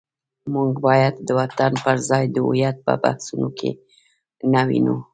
موږ باید د وطن پر ځای د هویت په بحثونو کې نه ونیو.